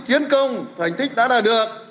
chiến công thành tích đã đạt được